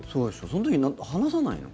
その時に話さないの？